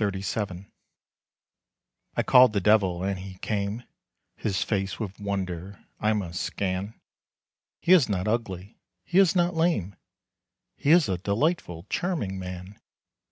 XXXVII. I called the devil and he came, His face with wonder I must scan; He is not ugly, he is not lame, He is a delightful, charming man.